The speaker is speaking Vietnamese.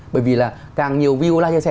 bởi vì là càng nhiều view like chia sẻ